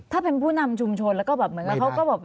ถ้าเป็นผู้นำชุมชนแล้วก็แบบเหมือนกับเขาก็แบบ